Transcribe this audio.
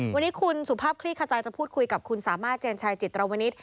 วันนี้คุณสุภาพคลี่ขจายจะพูดคุยกับคุณสามารถเจนชายจิตรวนิต